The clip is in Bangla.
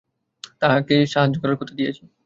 তাকে সাহায্য করার কথা দিয়েছি।